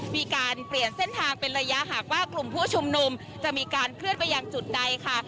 มีการเปลี่ยนเส้นทางเป็นระยะหากว่ากลุ่มผู้ชุมนุมจะมีการเคลื่อนไปยังจุดใดค่ะ